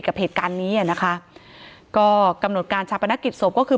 กับเหตุการณ์นี้นะคะก็กำหนดการจับประนักกิจศพก็คือ